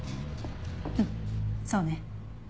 うんそうね。